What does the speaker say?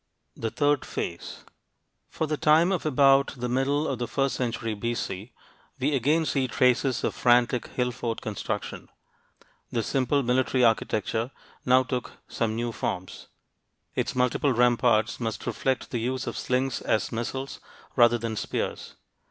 THE THIRD PHASE For the time of about the middle of the first century B.C., we again see traces of frantic hill fort construction. This simple military architecture now took some new forms. Its multiple ramparts must reflect the use of slings as missiles, rather than spears.